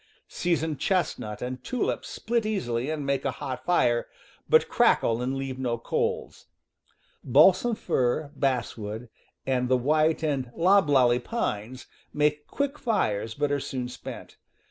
Seasoned chest nut and tulip split easily and make a hot fire, but crackle and leave no coals. Balsam fir, basswood, and the white and loblolly pines make quick fires but are soon spent.